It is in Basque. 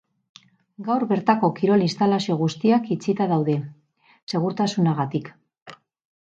Gaur bertako kirol instalazio guztiak itxita daude, segurtasunagatik.